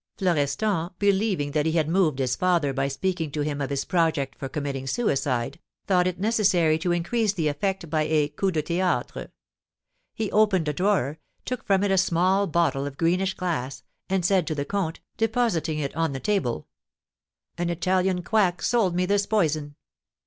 Florestan, believing that he had moved his father by speaking to him of his project for committing suicide, thought it necessary to increase the effect by a coup de théâtre. He opened a drawer, took from it a small bottle of greenish glass, and said to the comte, depositing it on the table: "An Italian quack sold me this poison."